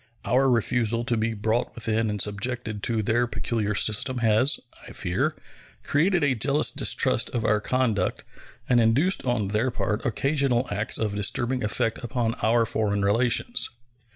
Our refusal to be brought within and subjected to their peculiar system has, I fear, created a jealous distrust of our conduct and induced on their part occasional acts of disturbing effect upon our foreign relations.